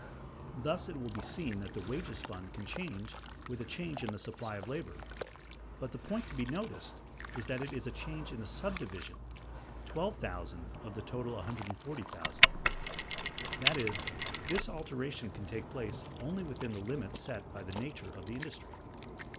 Thus it will be seen that the wages fund can change with a change in the supply of labor: but the point to be noticed is that it is a change in the subdivision, $12,000, of the total $140,000. That is, this alteration can take place only within the limits set by the nature of the industry.